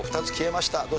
２つ消えました。